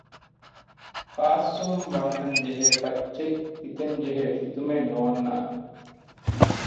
ޚާއްސުން ވަންނަން ޖެހޭ ފައްޗެއް ފިތެން ޖެހޭ ފިތުމެއް ނޯންނާނެ